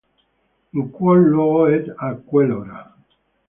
In quel luogo ed a quell'ora.